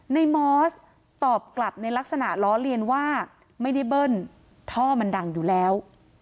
มอสตอบกลับในลักษณะล้อเลียนว่าไม่ได้เบิ้ลท่อมันดังอยู่แล้ว